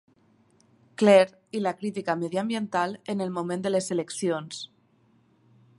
Clair i la crítica mediambiental en el moment de les eleccions.